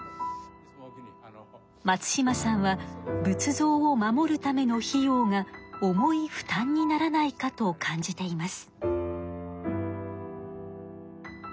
松島さんは仏像を守るための費用が重い負担にならないかと感じています。